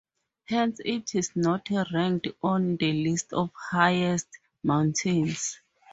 Hence it is not ranked on the list of highest mountains.